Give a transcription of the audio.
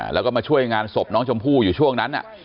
แล้วก็มาช่วยงานศพน้องชมพู่อยู่ช่วงนั้น